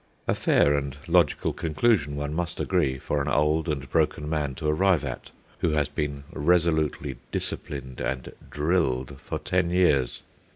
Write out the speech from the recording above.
A fair and logical conclusion, one must agree, for an old and broken man to arrive at, who has been resolutely "disciplined" and "drilled" for ten years.